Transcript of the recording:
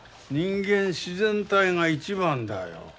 人間自然体が一番だよ。